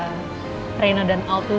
bagaimana cara mereka berdua mengadopsi rina